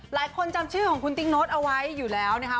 จำชื่อของคุณติ๊งโน้ตเอาไว้อยู่แล้วนะคะ